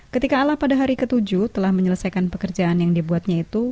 ketika ala pada hari ke tujuh telah menyelesaikan pekerjaan yang dibuatnya itu